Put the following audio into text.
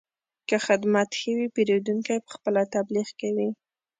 که خدمت ښه وي، پیرودونکی پخپله تبلیغ کوي.